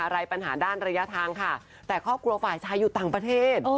อะไรปัญหาด้านระยะทางค่ะแต่ครอบครัวฝ่ายชายอยู่ต่างประเทศ